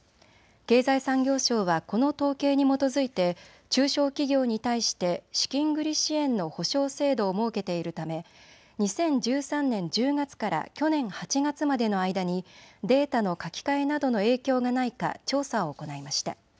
経済産業省はこの統計に基づいて中小企業に対して資金繰り支援の保証制度を設けているため２０１３年１０月から去年８月までの間にデータの書き換えなどの影響がないか調査を行いました。